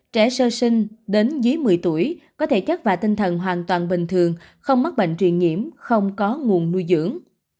trẻ sơ sinh đến dưới một mươi tuổi có thể chất và tinh thần hoàn toàn bình thường không mắc bệnh truyền nhiễm không có nguồn nuôi dưỡng